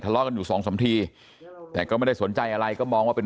เลาะกันอยู่สองสามทีแต่ก็ไม่ได้สนใจอะไรก็มองว่าเป็น